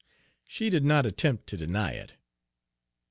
She did not attempt to deny it.